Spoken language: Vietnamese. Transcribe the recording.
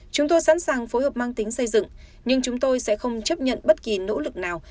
chúng tôi sẵn sàng phối hợp mang tính xây dựng nhưng chúng tôi sẽ không chấp nhận bất kỳ nỗ lực nào